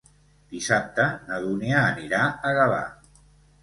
Dissabte na Dúnia anirà a Gavà.